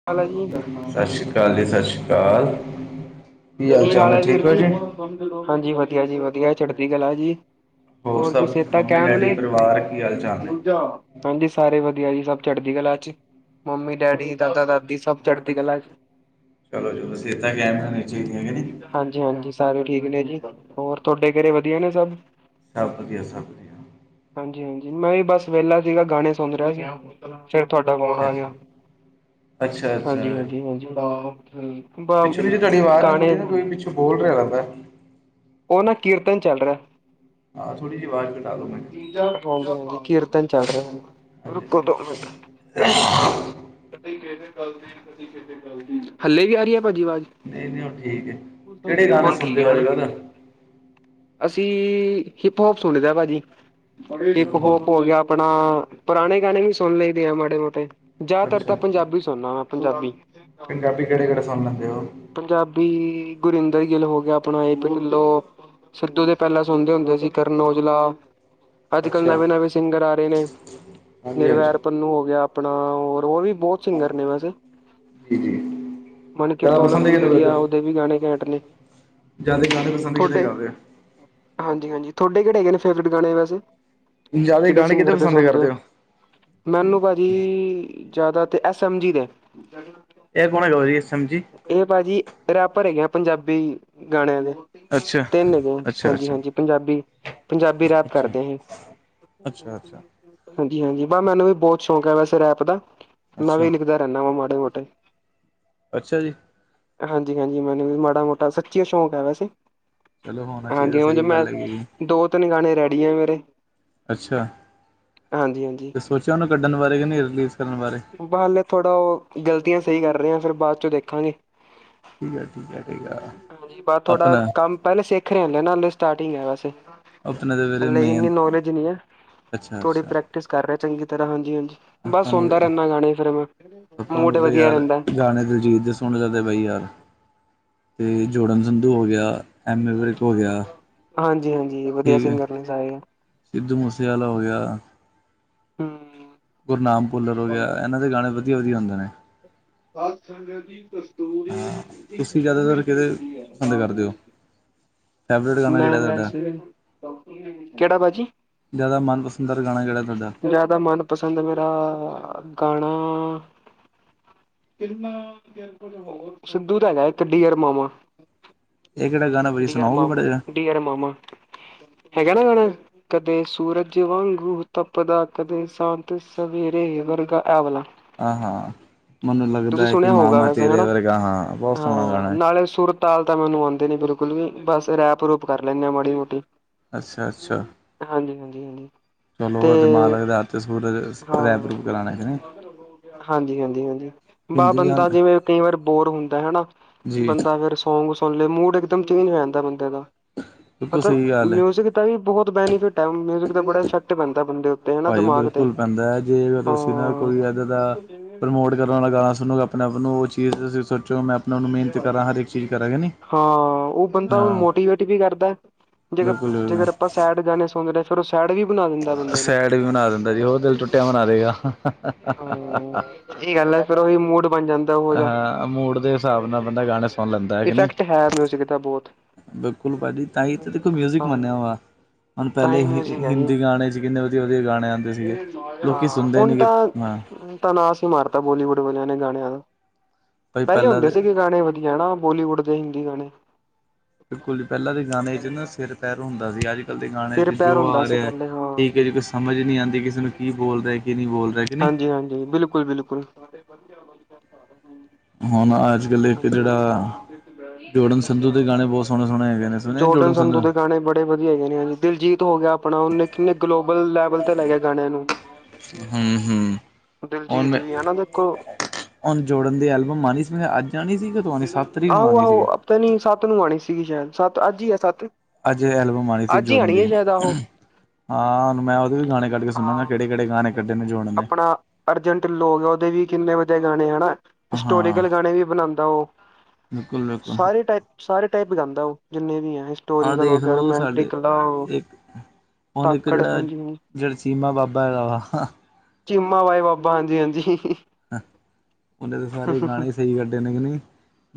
ਕਿ ਹਾਲ ਹੈ ਜੀ, ਵਧੀਆ। ਸਤਿ ਸ੍ਰੀ ਅਕਾਲ-ਸਤਿ ਸ਼੍ਰੀ ਅਕਾਲ, ਕੀ ਹਾਲ ਚਾਲ ਨੇ ਠੀਕ ਹੋ ਜੀ। ਹਾਂਜੀ, ਵਧੀਆ ਜੀ- ਵਧੀਆ ਚੜਦੀ ਗਲਾ ਜੀ। ਹੋਰ ਦੀ ਸਭ ਸੇਤਾ ਮੰਮੀ ਕੈਮ ਨੇ। ਡੈਡੀ ਪਰਿਵਾਰ ਕੀ ਹਾਲ ਚਾਲ ਨੇ ਹਾਂਜੀ, ਸਾਰੇ ਵਧੀਆ ਜੀ ਸਭ ਚੜਦੀ ਕਲਾ ਚ, ਮੰਮੀ-ਡੈਡੀ, ਦਾਦਾ-ਦਾਦੀ ਸਭ ਚੜ੍ਹਦੀ ਕਲਾ ਚ। ਚਲੋ ਜੀ, ਸੇਹਤਾ ਕਹਿਮ ਹੋਣੀ ਚਾਹੀਦੀ ਕਿ ਨਹੀਂ। ਹਾਂਜੀ-ਹਾਂਜੀ, ਸਾਰੇ ਠੀਕ ਨੇ ਜੀ ਹੋਰ ਤੁਹਾਡੇ ਘਰੇ ਵਧੀਆ ਨੇ ਸਭ। ਸਬ ਵਧੀਆ ਸਬ। ਹਾਂਜੀ-ਹਾਂਜੀ, ਮੈਂ ਵੀ ਬਸ ਵੇਲਾ ਸੀਗਾ, ਗਾਣੇ ਸੁਣ ਰਿਹਾ ਸੀ। ਫਿਰ ਤੁਹਾਡਾ ਫੋਨ ਆ ਅੱਛਾ ਗਿਆ ਅੱਛਾ ਹਾਂਜੀ, ਅੱਛਾ ਹਾਂਜੀ, ਹਾਂਜੀ ਬ [unintelligible] ਤੁਹਾੜੀ ਆਵਾਜ਼ ਨਾ ਗਾਣੇ ਥੋੜੀ ਨਾ ਕੋਈ ਪਿੱਛੋਂ ਬੋਲ ਰਿਹਾ ਲਗਦਾ ਉਹ ਨਾ ਕੀਰਤਨ ਚੱਲ ਰਿਹਾ। ਹਾਂ ਥੋੜ੍ਹੀ ਜਿਹੀ ਆਵਾਜ਼ ਘਟਾ ਦਿਉ ਮੈਨੂੰ ਕੀਰਤਨ ਚਲ ਰਿਹਾ। ਹਾਂਜੀ ਰੁਕੋ ਦੋ ਹਾਂਜੀ ਮਿੰਟ। [unintelligible] ਹਲੇ ਵੀ ਆ ਰਹੀ ਹੈ ਭਾਜੀ ਅਵਾਜ? ਨਹੀਂ ਨਹੀਂ ਹੁਣ ਠੀਕ ਹੈ ਕਿਹੜੇ ਗਾਣੇ ਹੁਣ ਠੀਕ ਸੁਣਦੇ ਹੋ ਆ ਅੱਜ ਹਨਾ। ਕੱਲ੍ਹ ਹੂੰ ਅਸੀਂ ਹਿਪ, ਹੋਪ ਸੁਣੀ ਦਾ ਭਾਜੀ ਹਿਪ, ਹੋਪ ਹੋ ਗਿਆ ਆਪਣਾ ਪੁਰਾਣੇ ਗਾਣੇ ਵੀ ਸੁਣ ਲਈ ਦੇ ਆ ਮਾੜੇ ਮੋਟੇ ਜ਼ਿਆਦਾਤਰ ਅੱਛਾ ਤਾਂ ਅੱਛਾ ਪੰਜਾਬੀ ਸੁਣਨਾ ਵਾ ਪੰਜਾਬੀ। ਪੰਜਾਬੀ ਕਿਹੜੇ ਕਿਹੜੇ ਸੁਣ ਲੈਂਦੇ ਹੋ? ਪੰਜਾਬੀ ਗੁਰਿੰਦਰ ਗਿੱਲ ਹੋ ਗਿਆ ਆਪਣਾ ਇਹ ਪਿੰਡ ਲੋ ਸਿੱਧੂ ਦੇ ਪਹਿਲਾਂ ਸੁਣਦੇ ਹੁੰਦੇ ਸੀ ਕਰਨ ਔਜਲਾ। ਅੱਜ ਕੱਲ੍ਹ ਅੱਛਾ ਨਵੇਂ, ਨਵੇਂ ਸਿੰਗਰ ਆ ਰਹੇ ਨੇ ਹਾਂਜੀ ਹਾਂਜੀ ਨਿਰਵੈਰ ਪਨੂੰ ਹੋ ਗਿਆ। ਆਪਣਾ ਹੋਰ ਓ ਵੀ ਬਹੁਤ ਸਿੰਗਰ ਨੇ ਵੈਸੇ ਜੀ ਜੀ ਮਨਕਿਰਤ ਜ਼ਿਆਦਾ ਪਸੰਦ ਔਲਖ ਵੀ ਕਿਹਨੂੰ ਕਰਦੇ ਵਧੀਆ ਹੋ ਉਹਦੇ ਵੀ ਗਾਣੇ ਘੈਂਟ ਨੇ। ਜ਼ਿਆਦਾ, [unintelligible] ਕਿਆਦਾ ਥੋਡੇ ਹਾਂਜੀ, ਹਾਂਜੀ ਥੋਡੇ ਕਿਹੜੇ ਹੈਗੇ ਨੇ ਫੇਵਰੇਟ ਗਾਣੇ ਵੈਸੇ? ਹੋ ਜ਼ਿਆਦਾ ਕਿਹੜੇ ਗਾਣੇ ਕਿਤੇ ਸਿੰਗਰ ਦੇ ਪਸੰਦ ਸੁਣਦੇ ਹੋ? ਕਰਦੇ ਮੈਨੂੰ ਭਾਜੀ ਜ਼ਿਆਦਾ ਤੇ ਐਸ ਐਮ ਜੀ ਦੇ। ਇਹ ਕੋਣ ਹੇਗਾ ਵੀ ਐਸ ਐਮ ਜੀ? ਇਹ ਭਾਜੀ ਰੈਪਰ ਹੈਗੇ ਆਂ ਪੰਜਾਬੀ ਗਾਣਿਆਂ ਦੇ ਅੱਛਾ ਤਿੰਨ ਹੈਗੇ ਆਂ ਅੱਛਾ ਹਾਂਜੀ, ਅੱਛਾ ਹਾਂਜੀ। ਪੰਜਾਬੀ, ਪੰਜਾਬੀ ਰੈਪ ਅੱਛਾ ਕਰਦੇ ਹੈ। ਅੱਛਾ ਅੱਛਾ ਹਾਂਜੀ, ਹਾਂਜੀ ਵ ਮੈਨੂੰ ਵੀ ਬਹੁਤ ਸ਼ੌਂਕ ਹੈ ਵੈਸੇ ਰੈਪ ਦਾ ਮੈਂ ਅੱਛਾ ਵੀ ਲਿਖਦਾ ਰਹਿੰਦਾ ਵਾ ਮਾੜੇ ਮੋਟੇ। ਅੱਛਾ ਜੀ ਹਾਂਜੀ, ਹਾਂਜੀ ਮੈਨੂੰ ਵੀ ਮਾੜਾ ਮੋਟਾ ਸੱਚੀ ਸ਼ੌਕ ਹੈ ਵੈਸੇ। ਚਲੋ ਹੁਣ। ਹਾਂਜੀ ਓੰਜ ਮੈਂ ਦੋ ਤਿੰਨ ਗਾਣੇ ਰੈਡੀ ਆ ਮੇਰੇ। ਅੱਛਾ। ਹਾਂਜੀ, ਹਾਂਜੀ ਤੇ ਸੋਚਿਆ ਉਹਨੂੰ ਕੱਢਣ ਬਾਰੇ ਕਿ ਨਹੀਂ ਰਿਲੀਜ਼ ਕਰਨ ਬਾਰੇ। ਬਹ ਹਾਲੇ ਥੋੜ੍ਹਾ ਉਹ ਗ਼ਲਤੀਆਂ ਸਹੀ ਕਰ ਰਹੇਆਂ ਫੇਰ ਬਾਅਦ ਚ ਦੇਖਾਂਗੇ। ਠੀਕ ਹੈ ਠੀਕ ਹੈ ਠੀਕ ਆ ਹਾਂਜੀ, ਬਸ ਥੋੜਾ ਆਪਣਾ ਕੰਮ ਪਹਿਲੇ ਸਿੱਖ ਰਹੇ ਹੁੰਦੈ ਨਾ ਹਲੇ ਸਟਾਰਟਿੰਗ ਹੈ ਵੈਸੇ। ਆਪਣੇ ਦੇ ਵੀਰੇ ਹਲੇ ਮੇਨ ਇੰਨੀ ਨੌਲੇਜ ਨਹੀਂ ਹੈ ਅੱਛਾ ਥੋੜੀ ਅੱਛਾ ਪ੍ਰੈਕ ਟਿਸ ਕਰ ਰਿਹਾ ਚੰਗੀ ਤਰ੍ਹਾਂ ਹਾਂਜੀ, ਹਾਂਜੀ ਬਸ ਆਪਾਂ ਨੂੰ ਸੁੁਣਦਾ ਰਹਿੰਦਾ ਗਾਣੇ ਫਿਰ ਮੈਂ ਆਪਾਂ ਮੂਡ ਨੂੰ ਤਾਂ ਵਧੀਆ ਯਾਰ ਰਹਿੰਦਾ। ਗਾਣੇ [unintelligible] ਸੁਣ ਸਕਦੇ ਬਾਈ ਯਾਰ ਅਤੇ ਜੋੜਨ ਸੰਧੂ ਹੋ ਗਿਆ। ਐਮ ਏ ਵਿਰਕ ਹੋ ਗਿਆ ਹਾਂਜੀ, ਹਾਂਜੀ ਵਧੀਆ ਠੀਕ ਹੈ ਸਿੰਗਰ ਨੇ ਸਾਰੇ ਐ। ਸਿੱਧੂ ਮੂਸੇਵਾਲਾ ਹੋ ਗਿਆ। ਹੂੰ ਗੁਰਨਾਮ ਭੁੱਲਰ ਹੋ ਗਿਆ ਇਹਨਾਂ ਦੇ ਗਾਣੇ ਵਧੀਆ ਵਧੀਆ ਹੁੰਦੇ ਨੇ। ਸਾਤਸੰਗਤ ਦੀ ਕਸਤੂਰੀ ਹਾਂ ਦੀ ਤੁਸੀਂ ਖੁਸ਼ਬੂ ਜ਼ਿਆਦਾਤਰ ਏਨੀ ਕਿਹਦੇ [unintelligible] ਹਈ ਹੈ ਪਸੰਦ ਕਰਦੇ ਹੋ ਦ ਫੇਵਰੇਟ ਗਾਣਾ ਮੈਂ ਕਿਹੜਾ ਤੁਹਾਡਾ ਵੈਸੈ ਕਿਹੜਾ ਭਾਜੀ? ਜ਼ਿਆਦਾ ਮਨਪਸੰਦ ਦਾਰ ਗਾਣਾ ਕਿਹੜਾ ਤੁਹਾਡਾ? ਜ਼ਿਆਦਾ ਮਨ ਪਸੰਦ ਮੇਰਾ ਗਾਣਾ ਸਿੱਧੂ ਦਾ ਹੈਗਾ ਇੱਕ ਡੀਅਰ ਮਾਾਮਾ। ਇਹ ਕੇੜਾ ਗਾਣਾ? ਭਾਜੀ ਡੀਅਰ ਸੁਣਾਓਗੇ ਮਾਮਾ, ਮਾੜਾ ਜਿਹਾ ਡੀਅਰ ਮਾਮਾ ਹੈਗਾ ਨਾ ਗਾਣਾ। ਕਦੇ ਸੂਰਜ ਵਾਂਗੂ ਤਪਦਾ, ਕਦੇ ਸ਼ਾਂਤ ਸਵੇਰੇ ਵਰਗਾ ਐ ਵਾਲਾ ਹਾਂ ਹਾਂ ਮੈਨੂੰ ਤੁਸੀਂ ਲੱਗਦਾ ਹੈ ਕਿ ਸੁਣਿਆ ਮਾਂ ਹੋਊਗਾ ਮੈਂ ਤੇਰੇ ਵਰਗਾ ਹਾਂ ਬਹੁਤ ਸੋਹਣਾ ਗਾਣਾ ਹੈ। ਅਰੇ ਸੂਰਤ। ਤਾਲ ਤਾਂ ਮੈਨੂੰ ਆਉਂਦੀ ਨਹੀ ਬਿਲਕੁਲ ਵੀ ਬਸ ਰੈਪ ਰੂਪ ਕਰ ਲੈਂਦੇ ਆ ਮਾੜੀ ਮੋਟੀ। ਅੱਛਾ ਅੱਛਾ। ਹਾਂਜੀ, ਹਾਂਜੀ, ਹਾਂਜੀ। ਚਲੋ ਉਹ ਤੇ ਮਾਲਕ ਦੇ ਹੱਥ ਆ ਰੈਪ ਹਾਂ ਰੂਪ ਕਰਾਣੇ ਹੈ। ਹਾਂਜੀ, ਹਾਂਜੀ, ਹਾਂਜੀ ਵ ਹਿੰਦੀ ਬੰਦਾ ਗਾਣੇ ਜਿਵੇਂ ਕਈ ਵਾਰ ਬੋਰ ਹੁੰਦਾ ਹਨਾ ਜੀ ਬੰਦਾ। ਫਿਰ ਸੌਂਗ ਸੁਣ ਲਏ ਮੂਡ ਇੱਕਦਮ ਚੇਂਜ ਹੋ ਜਾਂਦਾ ਬੰਦੇ ਦਾ ਬਿਲਕੁਲ ਮਤਲਬ ਸਹੀ ਗੱਲ ਹੈ ਮਿਊਜਿਕ। ਤਾਂ ਹੀ ਬਹੁਤ ਬੈਨੀਫਿਟ ਮਿਊਜ਼ਿਕ ਦਾ ਬੜਾ ਇਫੈਕਟ ਪੈਂਦਾ ਬੰਦੇ ਉੱਤੇ। ਹਨਾ ਭਾਜੀ ਦਿਮਾਗ ਤੇ ਬਿਲਕੁਲ ਪੈਂਦਾ ਹੈ ਜੇ ਹਾਂ ਤੁਸੀਂ ਨਾ ਕੋਈ ਇੱਦਾਂ ਦਾ ਪ੍ਰਮੋਟ। ਜਿਸ ਤਰ੍ਹਾਂ ਦਾ ਗਾਣਾ ਸੁਣੋ ਆਪਣੇ ਆਪ ਨੂੰ ਉਹ ਚੀਜ਼ ਤੁਸੀਂ ਸੋਚੋ ਮੈਂ। ਆਪ ਨੂੰ ਮਿਹਨਤ ਕਰਾਂ ਹਰ ਇੱਕ ਚੀਜ਼ ਕਰਾਂਗੇ ਨੀ ਹਾਂ, ਉਹ ਬੰਦਾ ਹਾਂ ਮੋਟੀਵੇਟ ਵੀ ਕਰਦਾ। ਜਿਵੇਂ ਬਿਲਕੁਲ ਜੇਕਰ ਆਪਾਂ ਬਿਲਕੁਲ, ਸੈਡ ਗਾਣੇ ਸੁਣ ਰਹੇ। ਥੋੜ੍ਹਾ ਸੈਡ ਵੀ ਬਣਾ ਦਿੰਦਾ ਬੰਦੇ ਨੂੰ ਸੈਡ ਵੀ ਬਣਾ ਦਿੰਦਾ ਜੀ ਹੋਰ ਦਿਲ ਟੁੱਟਿਆ ਬਣਾ ਹਾਂ। ਦੇਗਾ ਇਹ ਗੱਲ ਹੈ ਫੇਰ ਉਹੀ ਮੂਡ ਬਣ ਜਾਂਦਾ ਉਹੋ ਜਿਹਾ। ਹਾਂ ਮੂਡ ਦੇ ਹਿਸਾਬ ਨਾਲ ਬੰਦਾ ਗਾਣੇ ਸੁਣ ਲੈਂਦਾ ਹੈ ਕਿ ਨੀ। ਇਫੈਕਟ ਹੈ ਮਿਊਜ਼ਿਕ ਦਾ ਬਹੁਤ। ਬਿਲਕੁਲ ਭਾਜੀ, ਤਾਂ ਹੀ ਤਾਂ ਦੇਖੋ ਮਿਊਜ਼ਿਕ ਹਾਂ ਮੰਨਿਆ ਵਾ। ਹੁਣ ਤਾਂ ਪਹਿਲੇ ਹੀ ਮਿਊਜ਼ਿਕ ਹੈ ਜੀ ਹਿੰਦੀ ਗਾਣੇ ਸਿਗੇ ਕਿੰਨੇ ਵਧੀਆ ਵਧੀਆ ਗਾਣੇ ਆਉਂਦੇ ਸੀਗੇ ਲੋਕੀ ਹਾਂ ਸੁਣਦੇ ਹੁਣ ਨਹੀਂ ਗੇ ਤਾਂ ਹਾਂ। ਤਾਂ ਨਾਸ਼ ਹੀ ਮਾਰਤਾ ਬੋਲੀਵੁੱਡ ਵਾਲਿਆਂ ਨੇ ਗਾਣਿਆਂ ਦਾ। ਭਾਈ ਪਹਿਲੇ ਪਹਿਲਾਂ ਹੁੰਦੇ ਦੇ ਸੀਗੇ ਗਾਣੇ ਵਧੀਆ ਨਾ ਬੋਲੀਵੁੱਡ ਦੇ ਹਿੰਦੀ ਗਾਣੇ। ਬਿਲਕੁਲ ਜੀ ਪਹਿਲਾਂ ਦੇ ਗਾਣੇ ਚ ਨਾ ਸਿਰ ਪੈਰ ਹੁੰਦਾ ਸੀ। ਅੱਜ ਕੱਲ੍ਹ ਦੇ ਗਾਣੇ ਸਿਰ ਚ ਪੈਰ ਜੋ ਹੁੰਦਾ ਆ ਸੀ ਰਿਹਾ। ਪਹਿਲੇ ਹਾਂ ਠੀਕ ਹੈ ਜੀ, ਕੋਈ ਸਮਝ ਨਹੀਂ ਆਂਦੀ ਕਿਸੇ ਨੂੰ ਕੀ ਬੋਲ ਰਿਹਾ ਕੀ ਨਹੀਂ ਬੋਲ ਰਿਹਾ ਕਿ। ਨਹੀਂ ਹਾਂਜੀ, ਹਾਂਜੀ ਬਿਲਕੁਲ। ਬਿਲਕੁਲ, ਬਿਲਕੁਲ। ਹੁਣ ਅੱਜ ਕੱਲ੍ਹ ਇੱਕ ਜਿਹੜਾ ਜੋਰਡਨ ਸੰਧੂ ਦੇ ਗਾਣੇ ਬਹੁਤ ਸੋਹਣੇ ਸੋਹਣੇ ਹੈਗੇ ਨੇ। ਸੁਣੇ ਜੋਰਡਨ ਜੋੜਨ ਸੰਧੂ ਦੇ ਗਾਣੇ ਬੜੇ ਵਧੀਆ ਹੈਗੇ ਨੇ ਹਾਂਜੀ ਦਿਲਜੀਤ ਹੋ ਗਿਆ ਆਪਣਾ ਉਹਨੇ ਕਿੰਨੇ ਗਲੋਬਲ ਲੈਬ। ਬੁਲ ਤੇ ਲੈ ਗਿਆ ਗਾਣਿਆਂ ਨੂੰ ਹਮ ਹਮ ਹੁਣ ਦਿਲਜੀਤ ਮੈਂ ਵੀ ਹਨ ਨਾ ਦੇਖੋ। ਹੁਣ ਜੋੜਨ ਦੀ ਐਲਬਮ ਆਉਣੀ ਸੀ ਮੈਂ ਅੱਜ ਆਣੀ ਸੀ ਕਿ ਆਣੀ ਸੱਤ ਤਰੀਕ ਨੂੰ ਆਹੋ ਆਣੀ ਸੀ। ਆਹੋ ਆਪਤਾ ਨੀ ਸੱਤ ਨੂੰ ਆਉਣੀ ਸੀਗੀ ਸ਼ਾਇਦ ਸੱਤ ਅੱਜ ਹੀ ਹੈ ਸੱਤ। ਅੱਜ ਐਲਬਮ ਆਉਣੀ ਸੀ ਅੱਜ ਹੀ ਜੋੜਨ ਹੈ ਦੀ। ਸ਼ਾਇਦ ਆਹੋ ਹਾਂ ਹੁਣ ਮੈਂ ਉਹਦੇ ਵੀ ਗਾਣੇ ਕੱਢ ਕੇ ਸੁਣਾਂਗਾ ਹਾਂ ਕਿਹੜੇ ਕਿਹੜੇ ਗਾਣੇ ਕੱਢੇ ਨੇ ਜੋਰਡਨ ਨੇ। ਅਰਜੈਂਟ ਲੋਕ ਆ ਉਹਦੇ ਵੀ ਕਿੰਨੇ ਵਧੀਆ ਗਾਣੇ ਆ ਨਾ। ਹਾਂ ਹਿਸਟੋਰੀਕਲ ਗਾਣੇ ਵੀ ਬਣਾਉਂਦਾ ਉਹ। ਬਿਲਕੁਲ। ਬਿਲਕੁਲ ਸਾਰੇ ਟਾਈਪ ਸਾਰੇ ਟਾਈਪ ਗਾਂਉਦਾ ਉਹ ਜਿੰਨੇ ਵੀ ਹੈ। ਆਹ ਹਿਸਟੋਰੀਕਲ ਹੋ ਦੇਖ ਗਏ ਲਓ ਰੋਮਾਂਟਿਕ ਸਾਡੇ ਇੱਕ ਹੁਣ ਇੱਕ ਹਾਂਜੀ ਹਾਂਜੀ ਜਿਹੜਾ ਸੀਮਾ ਬਾਬਾ ਹੈਗਾ ਵਾ। ਚੀਮਾ ਬਾਈ ਬਾਬਾ ਹਾਂਜੀ, ਹਾਂਜੀ। ਉਹਨੇ ਤਾਂ ਸਾਰੇ ਗਾਣੇ ਸਹੀ ਕੱਢੇ ਨੇ ਕਿ ਨਹੀਂ।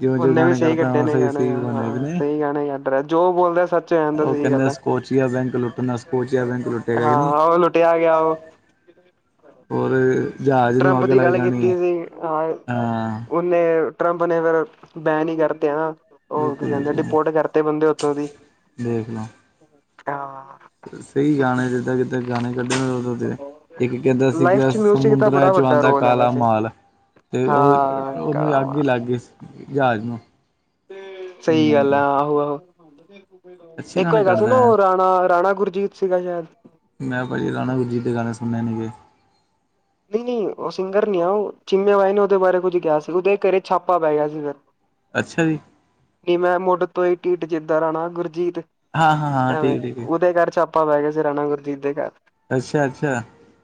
ਜਿਉਂ ਜੋ ਉਹਨੇ ਵੀ ਗਾਣੇ ਸਹੀ ਕਰਦਾ ਕੱਢੇ ਵਾ ਨੇ ਸਹੀ ਗਾਣੇ ਸਹੀ ਹਾਂ ਹੋਣੇ ਕਿ ਹਾਂ ਨਹੀਂ ਸਹੀ ਗਾਣੇ ਕੱਢ ਰਿਹਾ ਜੋ ਬੋਲਦਾ ਸੱਚ ਹੋ ਜਾਂਦਾ। ਉਹ ਕਹਿੰਦੇ ਗੱਲ ਹੈ ਸਕੋਚੀਆ ਬੈਂਕ ਲੁੱਟਣਾ ਸਕੋਚੀਆ ਬੈਂਕ ਲੁੱਟਿਆ ਗਿਆ। ਕਿ ਹਾਂ ਨਹੀਂ ਉਹ ਲੁੱਟਿਆ ਗਿਆ ਉਹ। ਹੋਰ ਜਹਾਜ਼ ਨੂੰ ਟਰੰਪ ਅੱਗ ਦੀ ਲੱਗ ਗੱਲ ਜਾਣੀ ਹੈ ਹਾਂ। ਨਹੀਂ ਟਰੰਪ ਨੇ ਫਿਰ ਬੈਨ ਹੀ ਕਰਤੇ ਹਨਾਂ। ਹੋਰ ਕੀ ਬਿਲਕੁਲ ਕਹਿੰਦੇ ਬਿਲਕੁਲ ਡਿਪੋਰਟ ਕਰਤੇ ਬੰਦੇ ਓਥੋਂ ਦੀ ਦੇਖ ਲਓ ਹਾਂ। ਸਹੀ ਗਾਣੇ ਜਿੱਦਾਂ ਕਿਦਾਂ ਗਾਣੇ ਕੱਢਣ ਉਦੋ ਇੱਕ ਕਹਿੰਦਾ ਲਾਈਫ ਸੀਗਾ 'ਚ ਮਿਊਜ਼ਿਕ ਸਮ। ਦਾ ਦੁਰਾਏ ਬੜਾ ਚ ਵੱਡਾ ਆਉਂਦਾ ਰੋਲ ਹੈ ਕਾਲਾ ਵੈਸੇ ਮਾਲ ਤੇ ਹਾਂ ਉਹ ਨੂੰ ਅੱਗ ਹੀ ਕਮਾਲ ਲੱਗ ਗਈ ਸੀ। ਜਹਾਜ ਨੂੰ। ਸਹੀ ਗੱਲ ਆ ਹਮ ਆਹੋ, ਆਹੋ। ਅੱਛੇ ਇੱਕ ਗਾਣੇ ਹੈਗਾ ਸੀ ਨਾ ਕੱਢਦਾ ਹੈ ਉਹ ਰਾਣਾ ਰਾਣਾ ਗੁਰਜੀਤ ਸੀਗਾ ਸ਼ਾਇਦ। ਮੈਂ ਬੜੀ ਰਾਨਾ ਗੁਰਜੀਤ ਦੇ ਗਾਨੇ ਸੁੱਨੇ ਨੀਗੇ। ਨੀ ਨੀ ਓ ਸਿੰਗਰ ਨੀ ਐ, ਓ ਚੀਮੇ ਬਾਈ ਨੇ ਓਦੇ ਬਾਰੇ ਕੁੱਝ ਕੇਆ ਸੀ, ਉਦੇ ਘਰੇ ਛਾਪਾ ਪੈ ਗੇਆ ਸੀਗਾ। [inaudible] ਅੱਛਾ ਜੀ। ਕੀ ਮੈਂ ਮੁੱਡ ਤੋ ਈ ਟੀਟ ਜਿੱਦਾਂ ਰਾਣਾ ਗੁਰਜੀਤ, ਹਾਂ ਹਾਂ ਹਾਂ ਐਵੇਂ ਠੀਕ ਠੀਕ ਹੈ। ਓਦੇ ਘਾਰ ਛਾਪ ਪਵੇ ਗੇ ਸੀ ਰਾਨਾ ਗੁਰਜੀਤ ਦੇ ਘਾਰ। ਅੱਛਾ, ਅੱਛਾ।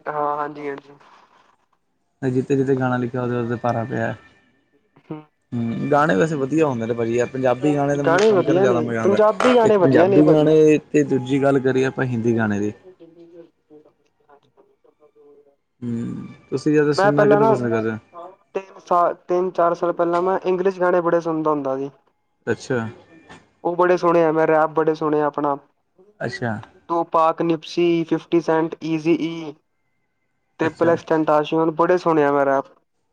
ਹਾਂ, ਹਾਂਜੀ, ਹਾਂਜੀ। ਤੇ ਜਿਤੇ-ਜਿਤੇ ਗਾਣਾ ਲਿਖੇਐ ਓਦੇ-ਓਦੇ ਭਾਰਾ ਪੇਐ। ਹੂੰ, ਗਾਣੇ ਵੈਸੇ ਵਦੀਆ ਹੁੰਦੇ ਨੇ ਭਾਜੀ ਐ ਪੰਜਾਬੀ ਗਾਣੇ ਤੇ ਮੈਨੂੰ ਸੁਨ ਕੇ ਨਾ ਵਧੀਆ ਜਾਦਾ ਨੇ ਮਜਾ ਆਂਦੈ, ਪੰਜਾਬੀ ਗਾਣੇ ਇੱਕ ਵਧੀਆ ਨੇ ਪੰਜਾਬੀ ਭਾਜੀ ਗਾਣੇ ਤੇ ਦੂਜੀ ਗਾੱਲ ਕਰੀਏ ਅਪਾਂ ਹਿੰਦੀ ਗਾਣੇ ਦੀ ਹੂੰ, ਤੁਸੀ ਜਾਦਾ ਮੈਂ ਸੁਨਨਾ ਪਹਿਲਾਂ ਕਿਨੂੰ ਨਾ ਪਸੰਦ ਕਰਦੇ ਓ? ਤਿੰਨ ਸਾਲ, ਤਿੰਨ-ਚਾਰ ਸਾਲ ਪੈਲਾਂ ਮੈਂ ਇੰਗਲਿਸ਼ ਗਾਣੇ ਬੜੇ ਸੁਨਦਾ ਹੁੰਦਾ ਸੀ। ਅੱਛਾ ਓ ਬੜੇ ਸੁਣੇ ਆ, ਮੈਂ ਰੈਪ ਬੜੇ ਸੁਣੇ ਆ ਅਪਣਾ। ਅੱਸ਼ਆ। ਤੂ ਪਾਕ ਨਿਪਸੀ ਫਿਫਟੀ ਸੈਂਟ ਈਜੀ ਈ ਤੇ ਅੱਛਾ ਪਲਸ ਟੈਨ ਤਾਸੂਨ ਬੜੇ ਸੁਣੇਆ ਮੈਂ ਰੈਪ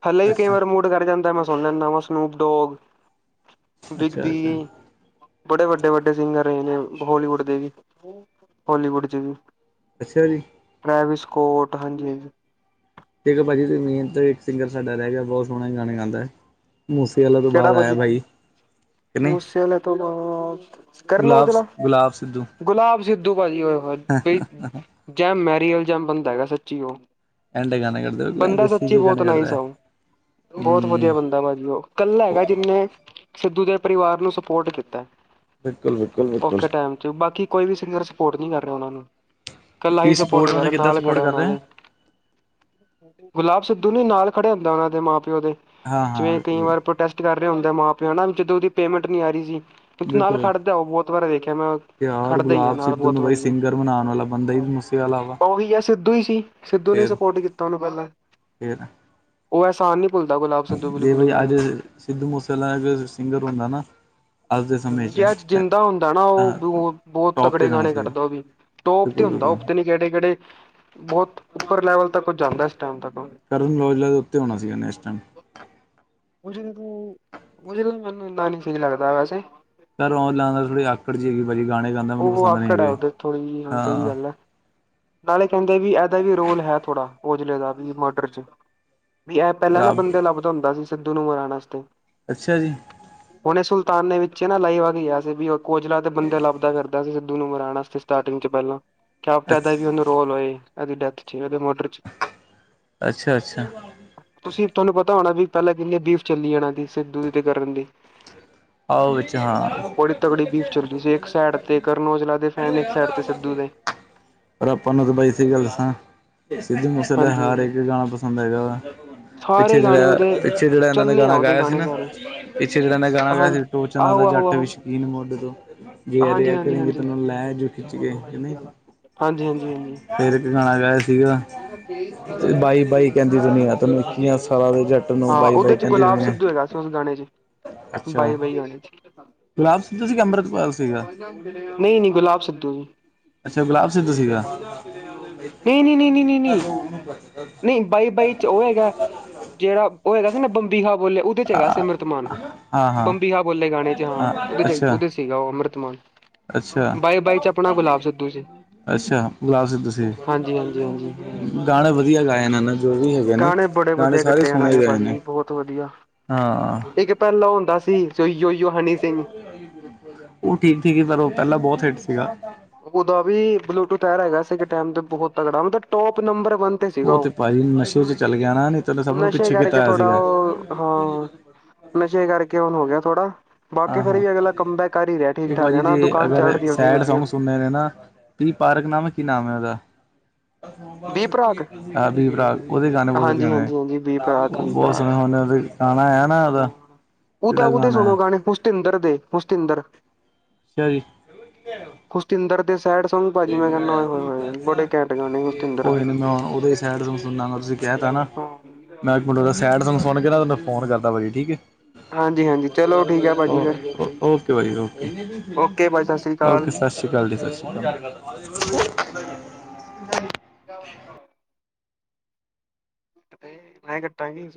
ਹੱਲੇ ਵੀ ਕਈ ਅੱਛਾ ਵਾਰ ਮੂਡ ਕਰ ਜਾਂਦੈ ਮੈਂ ਸੁਨ ਲੈਂਨਾ ਵਾ ਮੈਂ ਸਨੂਪਡੋਗ, ਅੱਛਾ ਬਿਗ ਅੱਛਾ ਬੀ ਬੜੇ ਵੱਡੇ-ਵੱਡੇ ਸਿੰਗਰ ਰਹੇ ਨੇ, ਹੋਲੀਵੁੱਡ ਦੇ ਵੀ, ਬੋਲੀਵੁੱਡ ਚ ਵੀ। ਅੱਛਾ ਜੀ। ਪ੍ਰਾਈਵੇਸ ਕੋਟ, ਹਾਂਜੀ-ਹਾਂਜੀ। ਤੇਜੋ ਭਾਜੀ ਤੂਸੀ ਨੀਂਦ ਤੇ, ਇੱਕ ਸਿੰਗਰ ਸਾਡਾ ਰੈ ਗੇਆ ਬੋਤ ਸੋਣੇ ਗਾਨੇ ਗਾੰਦੈ, ਮੂਸੇਵਾਲੇ ਤੋਂ ਬਾਦ ਕਿਹੜਾ ਆਯੈ ਭਾਜੀ ਬਾਈ। ਮੂਸੇਆਲੇ ਤੋਂ ਬਾਦ ਕਰਨ ਔਜਲਾ, ਗੁਲਾਬ ਸਿੱਧੂ ਭਾਜੀ ਔਏ ਹੋਏ ਬਈ ਜੈਮ ਮੈਰੀਅਲ ਜਾ ਬੰਦਾ ਹੈਗੈ ਸੱਚੀ ਓ। ਬੰਦਾ ਸੱਚੀ ਬੋਤ ਨਾਈਸ ਐ ਓ, ਬੋਤ ਵਦੀਆ ਬੰਦੈ ਭਾਜੀ ਓ ਕੱਲਾ ਹੈਗੈ ਜਿੱਨੇ ਸਿੱਧੂ ਦੇ ਪਰਿਵਾਰ ਨੂੰ ਸਪੋਰਟ ਕੀਤੈ। ਬਿਲਕੁਲ, ਬਿਕੁਲ, ਬਿਕੁਲ। ਬਾਕੀ ਕੋਈ ਵੀ ਸਿੰਗਰ ਸਪੋਰਟ ਨੀ ਕਾਰ ਰੇਆ ਔਨਾਂ ਨੂੰ। ਕੱਲਾ ਐਈ ਕੀ ਸਪੋਰਟ ਕਾਰ ਮਤਲਬ ਰੇਆ, ਕਿੱਦਾਂ ਨਾਲ ਸਪੋਰਟ ਖੜੈ ਕਰ ਓਨਾਂ ਰਹੇ ਦੇ। ਗੁਲਾਬ ਸਿੱਧੂ ਨੀ, ਨਾਲ ਖੜੇ ਹੁੰਦਾ ਓਨਾ ਦੇ ਮਾਂ-ਪੇਓ ਦੇ। ਹਾਂ ਹਾਂ ਜਿਵੇਂ ਕਈ ਬਿਲਕੁਲ ਵਾਰ ਪ੍ਰੋਟੈਸਟ ਕਾਰ ਰੇ ਹੁੰਦੈ ਆ ਮਾਂ-ਪੇਓ ਹੇਨਾ, ਜਿਦੇ ਓਦੀ ਪੇਮੈਂਟ ਨੀ ਆਰੀ ਸੀ। ਉਚ ਨਾਲ ਬਿਲਕੁਲ ਖੜਦੈ ਓ ਬੋਤ ਵਾਰ ਦੇਖੇਆ ਮੈਂ ਯਾਰ ਖੜਦੈ ਈ ਐ ਗੁਲਾਬ ਨਾਲ ਸਿੱਧੂ ਬੋਤ ਨੂੰ ਬਈ ਵਾਰੀ, ਸਿੰਗਰ ਬਣਾਉਣ ਵਾਲਾ ਬੰਦਾ ਹੀ ਮੂਸੇ ਵਾਲਾ ਵਾ ਓਵੀ ਆ ਸਿੱਧੂ ਈ ਸੀ। ਸਿੱਧੂ ਨੇ ਈ ਫੇਰ ਸਪੋਟ ਕੀਤਾ ਓਨੂੰ ਪੈਲਾਂ। ਫੇਰ ਓ ਐਹਸਾਨ ਨੀ ਭੁਲਦਾ ਗੁਲਾਬ। ਸਿੱਧੂ ਜੇ ਬਿਲਕੁਲ ਬਈ ਵੀ ਆੱਜ ਹੁਣ ਸਿੱਧੂ ਮੂਸੇਆਲਾ ਸਿੰਗਰ ਹੁੰਦਾ ਨਾ ਅੱਜ ਦੇ ਹੂੰ, ਸਮੇਂ ਜੇ 'ਚ ਆੱਜ ਜਿੰਦਾ ਹੁੰਦਾ ਨਾ, ਓ ਬੋਤ, ਬੋਤ ਟੋਪ 'ਤੇ ਤਗੜੇ ਜਾਣਾ ਗਾਣੇ ਸੀਗਾ ਕੱਡਦਾ ਓ ਵੀ। ਟੋਪ ਤੇ ਬਿਲਕੁਲ ਹੁੰਦਾ ਬਿਲਕੁਲ ਉਤੇ ਨੀ ਕੈੜੇ-ਕੈੜੇ ਬੋਤ ਉਪਰ ਲੈਵਲ ਤੱਕ ਓ ਜਾਂਦਾ ਇਸ ਟੈਮ ਤੱਕ। ਕਰਨ ਓਜਲਾ ਦੇ ਉਤੇ ਹੋਣਾ ਸੀ ਐਨੇ ਇਸ ਟੈਮ। ਕੁਛ ਨੀ ਤੂੰ, ਔਜਲੇ ਤੇ ਮੈਨੂੰ ਇੰਨਾ ਨੀ ਸਈ ਲਗਦਾ ਵੈਸੇ। ਕਰਨ ਔਜਲਾਂ ਵਾਂਗ ਥੋੜੀ ਆਕੜ ਜੀ ਹੈਗੀ ਏ। ਕਦੀ ਗਾਣੇ ਗਾਂਦ ਓ ਆਕੜ ਐ ਓਦੇ ਚ ਥੋੜੀ ਜੀ, ਹਾਂ ਸਈ ਗਾੱਲ ਐ। ਨਾਲੇ ਕੈੰਦੇ ਬੀ ਐਦਾ ਵੀ ਰੋਲ ਹੈ ਥੋੜਾ ਔਜਲੇ ਦਾ, ਵੀ ਮਰਡਰ ਚ। ਬੀ ਐ ਪੈਲਾਂ ਨਾ ਰੱਬ ਬੰਦੇ ਲਾਬਦਾ ਹੁੰਦਾ ਸੀ, ਸਿੱਧੂ ਨੂੰ ਮਰਾਨ ਅਸਤੇ। ਅੱਛਾ ਜੀ। ਹੋਣੇ ਸੁਲਤਾਨ ਨੇ ਵਿੱਚੇ ਨਾ ਲਾਈਵ ਆ ਕੇ ਕੇਆ ਸੀ ਬਈ ਏ ਕੋਜਲਾ ਤੇ ਬੰਦੇ ਲੱਭ ਕਰਦਾ ਸੀ ਸਿੱਧੂ ਨੂੰ ਹਰਾਣਾ ਸਟਾਰਟਿੰਗ ਚ ਪਹਿਲਾਂ, ਕਿਆ ਅੱ ਪਤਾ ਵੀ ਉਹਨੂੰ ਰੋਲ ਹੋਏ। ਐਦ ਡੈਥ ਚ ਇਹਦੇ ਮੋਡਰ ਚ। ਅੱਛਾ, - ਅੱਛਾ। ਤੁਸੀਂ ਤੁਹਾਨੂੰ ਪਤਾ ਹੋਣਾ ਪੈਲਾਂ ਕਿੰਨੇ ਬੀਫ਼ ਚੱਲੀ ਜਾਣਾ ਸਿੱਧ ਵੀ ਤੇ ਕਰਨਗੇ। ਆਓ ਵਿੱਚ ਹਾਂ ਬੜੀ ਤਕੜੀ ਬੀਫ ਚੱਲੀ ਸੀ। ਸੈਡ ਤੇ ਕਰਨ ਔਜਲਾ ਦੇ ਫੈਨ, ਇੱਕ ਸੈਡ ਤੇ ਸਿੱਧੂ ਦੇ। ਪਰ ਆਪਾਂ ਨੂੰ ਤਾਂ ਬਈ ਸੀ ਗੱਲ ਸਾਂ ਸਿੱਧੂ ਮੂਸੇ ਦਾ ਹਾਂਜੀ ਹਰ ਹਾਂਜੀ। ਇੱਕ ਗਾਣਾ ਪਸੰਦ ਹੈਗਾ ਵਾ। ਪਿੱਛੇ ਸਾਰੇ ਗਾਣੇ ਜੇੜਾ ਉਹਦੇ ਅ ਪਿੱਛੇ ਜੇੜਾ ਏਨਾਂ ਨੇ ਚੱਲੇ ਆ ਗਾਣਾ ਉਹਦੇ ਗਾਇਆ ਸੀ ਗਾਣੇ ਨਾ, ਸਾਰੇ ਪਿੱਛੇ ਜੇੜਾ ਐਨੇ ਗਾਣਾ ਹਾਂ ਤੇ ਟੋਚਨਾ ਆਹੋ ਦਾ ਆਹੋ ਜੱਟ ਵੀ ਆਹੋ ਸ਼ੌਕੀਨ ਮੋਢੇ ਤੋਂ। ਜੇ ਹਾਂਜੀ ਰਿਹਾ ਕਿਆ ਹਾਂਜੀ ਹਾਂਜੀ। ਤੈਨੂੰ ਲੈ ਚ ਖਿੱਚ ਕੇ, ਕੇ ਨਹੀਂ। ਹਾਂਜੀ ਹਾਂਜੀ ਹਾਂਜੀ ਫਿਰ ਤੇਰੇ ਬਿਨਾ ਹੈਗਾ ਸੀਗਾ ਤੇ ਬਾਈ-ਬਾਈ ਕੈੰਦੀ ਦੁਨੀਆਂ ਤੈਨੂੰ ਸਾਰਾ ਦਿਨ ਦਿਹਾੜੀ ਹਾਂ ਉਹਦੇ 'ਚ ਗੁਲਾਬ ਸਿੱਧੂ ਹੈਗਾ ਸੀ ਉਸ ਗਾਣੇ ਚ। ਬਾਈ ਆਹੋ, ਬਾਈ ਗਾਣੇ ਚ। ਗੁਲਾਬ ਸਿੱਧੂ ਸੀਗਾ, ਅੰਮ੍ਰਿਤਪਾਲ ਸੀਗਾ? ਲਿਆਣੀ ਨਹੀਂ ਗੁਲਾਬ ਸਿੱਧੂ ਦੀ। ਅੱਛਾ ਗੁਲਾਬ ਸਿੱਧੂ ਸੀਗਾ ਨਹੀਂ-ਨਹੀਂ-ਨਹੀਂ-ਨਹੀਂ-ਨਹੀਂ। ਨਹੀਂ ਬਾਈ, ਬਾਈ ਚ ਉਹ ਹੈਗਾ ਜਿਹੜਾ ਉਹ ਹੈਗਾ ਸੀ ਨਾ ਬੰਬੀਹਾ ਬੋਲੇ ਉਹਦੇ ਚ ਹੈਗਾ ਸੀ ਹਾਂ ਅੰਮ੍ਰਿਤਮਾਨ ਹਾਂ ਹਾਂ, ਬੰਬੀਹਾ ਬੋਲੇ ਗਾਣੇ ਚ ਹਾਂ ਉਹਦੇ ਚ ਅੱਛਾ ਉਹਦੇ ਚ ਸੀਗਾ ਉਹ ਅੰਮ੍ਰਿਤਮਾਨ। ਅੱਛਾ ਬਾਈ-ਬਾਈ ਚ ਅਪਣਾ ਗੁਲਾਬ ਸਿੱਧੂ ਸੀ। ਅੱਛਾ ਗੁਲਾਬ ਸਿੱਧੂ ਸੀ ਹਾਂਜੀ ਹਾਂਜੀ ਹਾਂਜੀ ਗਾਣੇ ਵਧੀਆ ਗਾਏ ਨੇ ਜੋ ਵੀ ਹੈਗੇ ਗਾਣੇ ਬੜੇ ਨੇ--ਗਾਣੇ ਵਧੀਆ ਸਾਰੇ ਕੱਢੇ ਇਹਨਾਂ ਸੁਣੇ ਗਏ ਨੇ ਭਾਜੀ ਬਹੁਤ ਵਧੀਆ ਹਾਂ ਇੱਕ ਪੈਲਾ ਹੁੰਦਾ ਸੀ ਸਈ ਯੋ-ਯੋ-ਹਨੀ ਸਿੰਘ। [unintelligible] ਉਹ ਕੀਤੀ ਸੀ ਪਰ ਉਹ ਪਹਿਲਾਂ ਬਹੁਤ ਹਿੱਟ ਸੀਗਾ ਉਦਾਂ ਵੀ ਬਲੂਟੂਥ ਆਇਰ ਹੈਗਾ ਸੀ ਇੱਕ ਟਾਈਮ ਤੇ ਬਹੁਤ ਤਗੜਾ, ਉਦਾ ਟੋਪ ਨੰਬਰ ਵਨ ਤੇ ਸੀਗਾ ਉਹ ਔ, ਭਾਜੀ ਨਸ਼ੇ 'ਚ ਚੱਲ ਗਿਆ ਨਾ ਨਹੀਂ ਤਾਂ ਸਭ ਨੂੰ ਨਸ਼ੇ ਪਿੱਛੇ ਕੀਤਾ ਕਰਕੇ ਹੋਇਆ ਥੋੜਾ ਸੀਗਾ ਓਹ, ਹਾਂ। ਨਸ਼ੇ ਕਰਕੇ ਔਣ ਹੋ ਗਿਆ ਥੋੜਾ। ਬਾਕੀ ਹਾਂ ਫਿਰ ਹਾਂ ਵੀ ਅਗਲਾ ਕੰਮ ਬੈਕ ਕਰ ਹੀ ਰਿਐ ਠੀਕ-ਠਾਕ ਹੈਨਾ। ਦੁਕਾਨ ਚੱਲ ਰਹੀ ਉਹਦੀ ਵਧੀਆ। ਮੈਨੇ ਨਾ ਪੀ ਪਾਰਕ ਨਾਮ ਏ, ਕੀ ਨਾਮ ਏ ਔਦਾ? ਬੀ ਪਰਾਗ ਹਰਪ੍ਰੀਤ ਬਰਾੜ ਉਦੇ ਗਾਣੇ ਬਹੁਤ ਸੁਣ ਹਾਂਜੀ ਨੇ ਹਾਂਜੀ ਹਾਂਜੀ ਬੀ ਪਰਾਗ ਬੀ ਬਹੁਤ ਪਰਾਗ ਸੋਹਣੇ ਉਹਦੇ। ਤਾਣਾ ਹੈ ਨਾ ਉਦਾਂ। ਤਾਂ ਉਹਦੇ ਸੁਣੋ ਗਾਣੇ ਪੁਸਤਿੰਦਰ ਦੇ ਪੁਸਤਿੰਦਰ ਸਹੀ। ਪੁਸਤਿੰਦਰ ਦੇ ਸੈਡ ਸੌਗ ਭਾਜੀ ਮੈਂ ਕਹਿੰਦਾ ਹੋਏ, ਹੋਏ, ਹੋਏ ਬੜੇ ਕੈਂਟ ਗਾਣੇ ਹੁਸਤਿੰਦਰ ਕੋਈ ਦੇ ਨਹੀਂ ਮੈਂ ਹੁਣ ਉਹਦੇ ਹੀ ਸੈਡ ਸੁਣਾ ਤੁਸੀਂ ਕਹਿ ਤਾਂ ਨਾ। ਮੈਂ ਇੱਕ ਮਿੰਟ ਓਦਾ ਸੈਡ ਸੋੰਗ ਸੁਣ ਕੇ ਨਾ ਉਨੂੰ ਫੋਨ ਕਰਦਾ ਭਾਜੀ, ਠੀਕ ਏ। ਹਾਂਜੀ, ਹਾਂਜੀ। ਚਲੋ ਠੀਕ ਹੈ ਭਾਜੀ ਫਿਰ ਓ-ਓਕੇ ਭਾਜੀ ਓਕੇ, ਓਕੇ ਭਾਜੀ ਸਤਿ ਸ੍ਰੀ ਅਕਾਲ ਓਕੇ ਸਰ ਸਤਿ ਸ੍ਰੀ ਕਾਲ ਜੀ, ਸਤਿ ਸ਼੍ਰੀ ਕਾਲ। ਜਾਵਾਂ ਕਾਂ। ਕੱਟੇ ਮੈ ਕੱਟਾਂ ਜੀ।